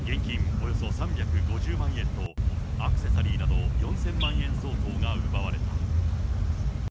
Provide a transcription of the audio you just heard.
およそ３５０万円と、アクセサリーなど４０００万円相当が奪われた。